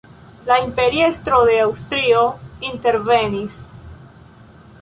La imperiestro de Aŭstrio intervenis.